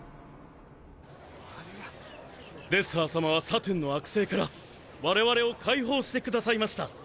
デスハーさまはサトゥンの悪政からわれわれを解放してくださいました。